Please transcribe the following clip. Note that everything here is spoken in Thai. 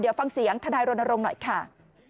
เดี๋ยวฟังเสียงทนายรณรงค์หน่อยค่ะ